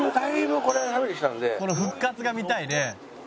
「この復活が見たいね」